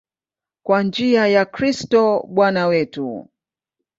Kwa njia ya Kristo Bwana wetu.